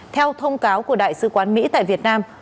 theo thông cáo của đại sứ quán mỹ tại việt nam